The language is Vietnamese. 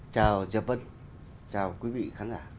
chào già vân chào quý vị khán giả